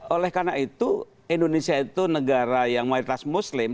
oleh karena itu indonesia itu negara yang mayoritas muslim